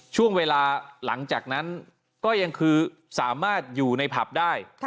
ช่วงเวลาหลังจากนั้นก็ยังคือสามารถอยู่ในผับได้